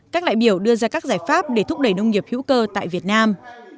các đại biểu đưa ra các giải pháp để thúc đẩy nông nghiệp hữu cơ tại việt nam